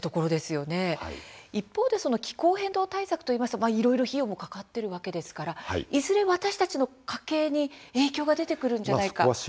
一方で気候変動対策といいますといろいろ費用もかかっているわけですからいずれ私たちの家計に影響が出てくるじゃないか。